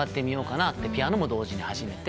ピアノも同時に始めて。